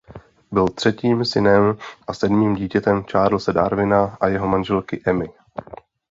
Byl třetím synem a sedmým dítětem Charlese Darwina a jeho manželky Emmy.